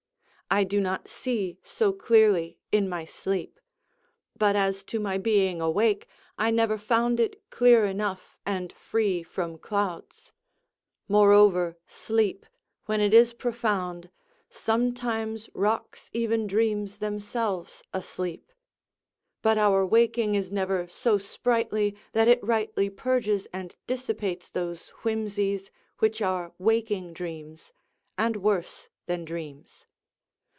I do not see so clearly in my sleep; but as to my being awake, I never found it clear enough and free from clouds; moreover, sleep, when it is profound, sometimes rocks even dreams themselves asleep; but our waking is never so sprightly that it rightly purges and dissipates those whimsies, which are waking dreams, and worse than dreams.